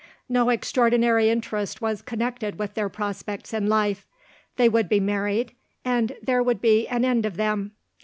No extraordinary interest was connected with their prospects in life: they would be married and there would be an end of them.